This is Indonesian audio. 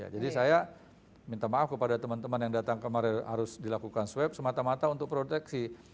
jadi saya minta maaf kepada teman teman yang datang kemarin harus dilakukan swab semata mata untuk proteksi